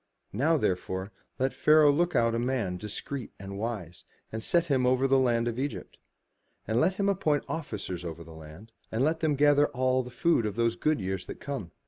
Now, therefore, let Pharaoh look out a man discreet and wise, and set him over the land of Egypt. And let him appoint officers over the land, and let them gather all the food of those good years that come.